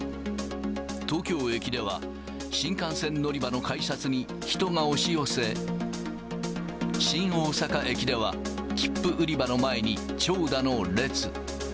東京駅では、新幹線乗り場の改札に人が押し寄せ、新大阪駅では、切符売り場の前に長蛇の列。